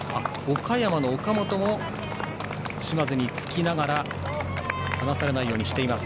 岡山の岡本も、嶋津につきながら離されないようにしています。